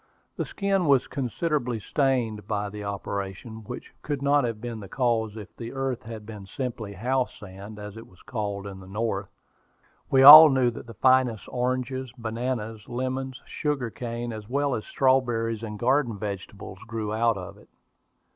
The skin was considerably stained by the operation, which could not have been the case if the earth had been simply house sand, as it is called in the North. We all knew that the finest oranges, bananas, lemons, sugar cane, as well as strawberries and garden vegetables, grew out of it.